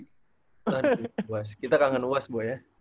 kita kangen uas buatnya